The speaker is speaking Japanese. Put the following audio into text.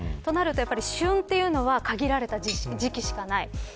となると旬というのが限られた時期しかない。